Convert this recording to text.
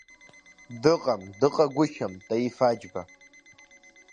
Дыҟам, дыҟагәышьам Таиф Аџьба…